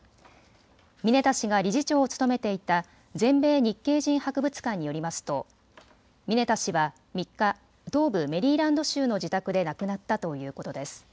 ミネタ氏が理事長を務めていた全米日系人博物館によりますとミネタ氏は３日、東部メリーランド州の自宅で亡くなったということです。